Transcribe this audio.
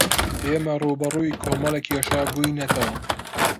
ئێمە ڕووبەڕووی کۆمەڵێک کێشە بووینەتەوە.